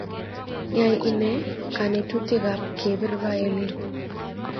Yae inee kanetutik ab kebir violin